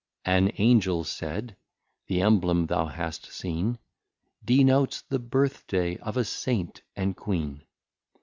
An Angel said, The Emblem thou hast seen, Denotes the Birth Day of a Saint and Queen.